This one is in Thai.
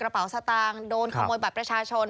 กระเป๋าสตางค์โดนขโมยบัตรประชาชน